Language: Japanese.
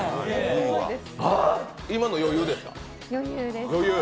今のは余裕なんですか。